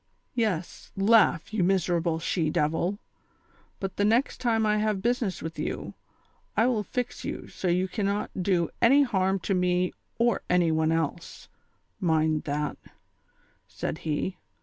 " Yes, laugh, you miserable she devil ; but the next time I have business with you, I will fix you so you cannot do any harm to me or any one else, mind that," said he.